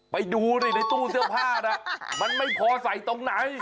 ไปดูดิในตู้เสื้อผ้านะมันไม่พอใส่ตรงไหน